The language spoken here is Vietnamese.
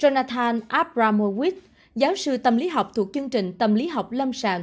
jonathan abramowit giáo sư tâm lý học thuộc chương trình tâm lý học lâm sàng